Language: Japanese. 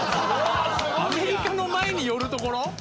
アメリカの前に寄る所？